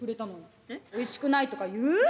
おいしくないとか言う？